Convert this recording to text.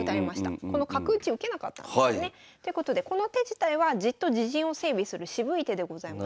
この角打ち受けなかったんですよね。ということでこの手自体はじっと自陣を整備する渋い手でございます。